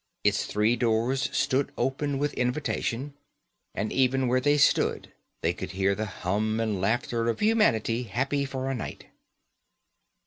Its three doors stood open with invitation; and even where they stood they could hear the hum and laughter of humanity happy for a night.